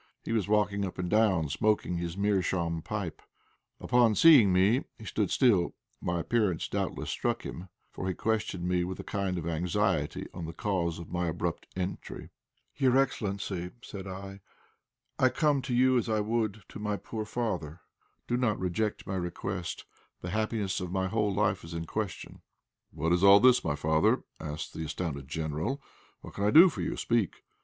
He was walking up and down, smoking his meerschaum pipe. Upon seeing me he stood still; my appearance doubtless struck him, for he questioned me with a kind of anxiety on the cause of my abrupt entry. "Your excellency," said I, "I come to you as I would to my poor father. Do not reject my request; the happiness of my whole life is in question." "What is all this, my father?" asked the astounded General. "What can I do for you? Speak."